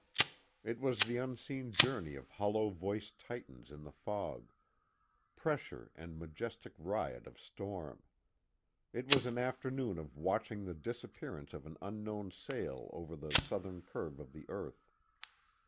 It was the unseen journey of hollow voiced titans in the fog; pressure and majestic riot of storm. It was an afternoon of watching the disappearance of an unknown sail over the southern curve of the earth.